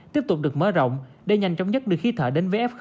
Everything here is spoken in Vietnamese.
tiếp tục được mở rộng để nhanh chóng nhất đưa khí thở đến với f